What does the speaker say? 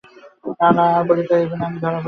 না না, আর বলিতে হইবে না, আমি ধরা পড়িয়া গেছি।